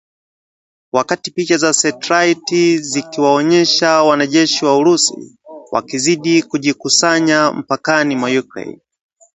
wakati picha za setilaiti zikiwaonyesha wanajeshi wa Urusi wakizidi kujikusanya mpakani mwa Ukraine